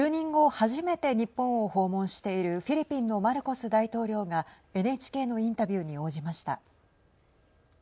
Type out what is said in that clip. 初めて日本を訪問しているフィリピンのマルコス大統領がＮＨＫのインタビューに応じました。